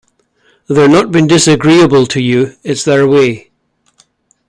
They’re not being disagreeable to you — it’s their way.